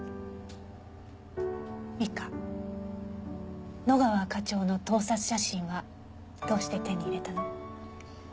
美香野川課長の盗撮写真はどうして手に入れたの？